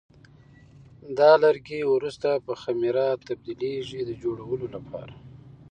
دا لرګي وروسته په خمېره تبدیلېږي د جوړولو لپاره.